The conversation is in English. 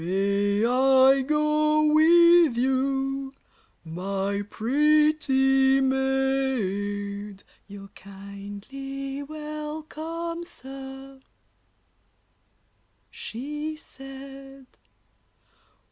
May I go with you, my pretty maid? You're kindly welcome, sir, she said.